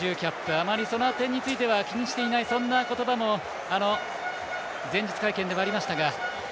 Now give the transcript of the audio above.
あまりその点については気にしていないと、そんな言葉も前日会見ではありましたが。